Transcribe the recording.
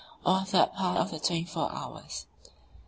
or a third part of the twenty four hours.